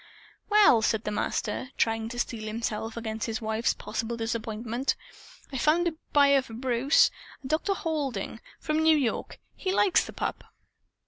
"Well," said the Master, trying to steel himself against his wife's possible disappointment, "I found a buyer for Bruce a Dr. Halding, from New York. He likes the pup.